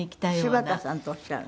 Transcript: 柴田さんっておっしゃるの？